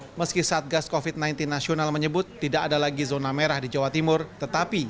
hai meski satgas kofit sembilan puluh nasional menyebut tidak ada lagi zona merah di jawa timur tetapi